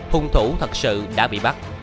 hùng thủ thật sự đã bị bắt